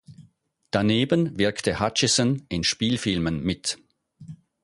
Daneben wirkte Hutchison in Spielfilmen mit.